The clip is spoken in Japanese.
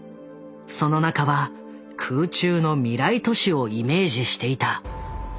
その中は空中の未来都市をイメージしていた。